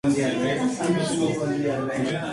Participó en las negociaciones de paz con Inglaterra.